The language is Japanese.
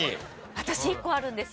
私１個あるんです